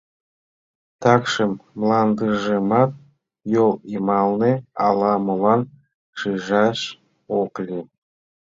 Такшым мландыжымат йол йымалне ала-молан шижаш ок лий.